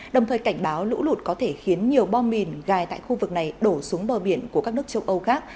đồng thời cảnh báo lũ lụt có thể khiến nhiều bom mìn gài tại khu vực này đổ xuống bờ biển của các nước châu âu khác